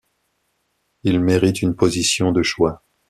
Il mérite une position de choix.